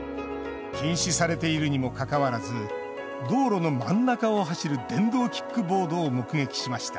禁止されているにもかかわらず道路の真ん中を走る電動キックボードを目撃しました。